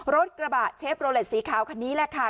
รถกระบะเชฟโรเลสสีขาวคันนี้แหละค่ะ